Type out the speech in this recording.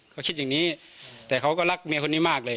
เขาคิดอย่างนี้แต่เขาก็รักเมียคนนี้มากเลย